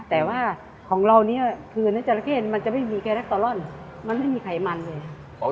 แต่ว่าของเราเนี่ยคือเนื้อจราเข้มันจะไม่มีแกรักเตอรอนมันไม่มีไขมันเลย